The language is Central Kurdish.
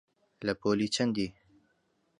لە پۆلی چەندی؟